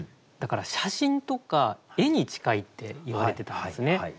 だから写真とか絵に近いって言われてたんですね。